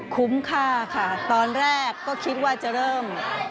คุ้มค่าค่ะตอนแรกก็คิดว่าจะเริ่ม